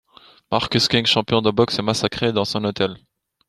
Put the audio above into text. Marcus King, champion de boxe est massacré dans son hôtel.